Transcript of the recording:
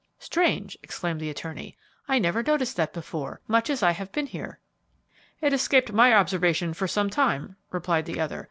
"Strange!" exclaimed the attorney. "I never noticed that before, much as I have been here." "It escaped my observation for some time," replied the other.